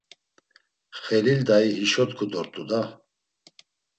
Xelil Dayi hişo t̆ǩu dort̆u da!